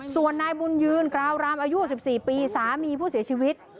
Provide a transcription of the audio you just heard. ส่วนนายบุญยืนกราวรามอายุ๑๔ปีสามีผู้เสียชีวิต